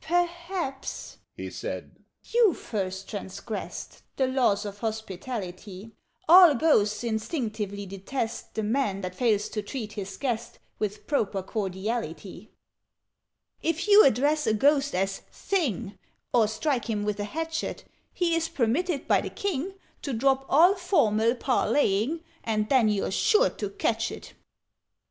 "Perhaps," he said, "you first transgressed The laws of hospitality: All Ghosts instinctively detest The Man that fails to treat his guest With proper cordiality. "If you address a Ghost as 'Thing!' Or strike him with a hatchet, He is permitted by the King To drop all formal parleying And then you're sure to catch it!